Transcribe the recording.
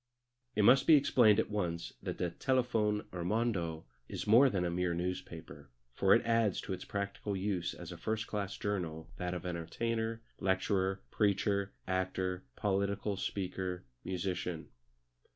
It must be explained at once that the Telefon Hirmondo is more than a mere newspaper, for it adds to its practical use as a first class journal that of entertainer, lecturer, preacher, actor, political speaker, musician.